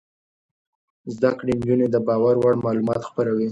زده کړې نجونې د باور وړ معلومات خپروي.